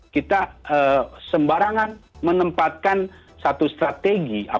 kita sembarangan menempatkan satu strategi